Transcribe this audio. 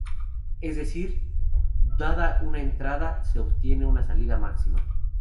Es decir, dada una entrada, se obtiene una salida máxima.